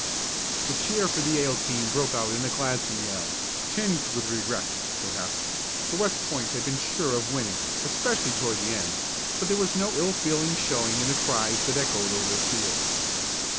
The cheer for the Yale team broke out in a gladsome yell, tinged with regret, perhaps, for West Point had been sure of winning, especially toward the end, but there was no ill feeling showing in the cries that echoed over the field.